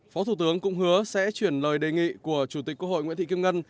phó thủ tướng cũng hứa sẽ chuyển lời đề nghị của chủ tịch quốc hội nguyễn thị kim ngân